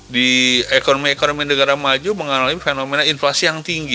di ekonomi ekonomi negara maju mengalami fenomena inflasi yang tinggi